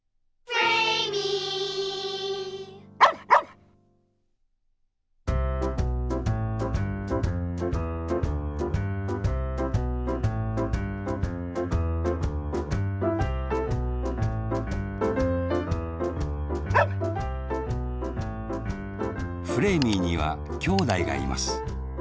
フレーミーにはきょうだいがいます。